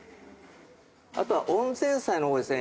あとは温前菜の方ですね